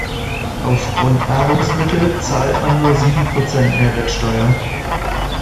Auf Grundnahrungsmittel zahlt man nur sieben Prozent Mehrwertsteuer.